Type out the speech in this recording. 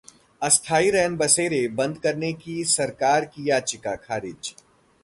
अस्थाई रैनबसेरे बंद करने की सरकार की याचिका खारिज